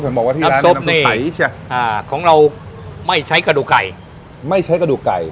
ผมบอกว่าที่ร้านนี้น้ำซุปใสใช่อ่าของเราไม่ใช้กระดูกไก่ไม่ใช้กระดูกไก่